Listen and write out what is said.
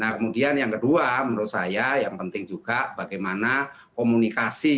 nah kemudian yang kedua menurut saya yang penting juga bagaimana komunikasi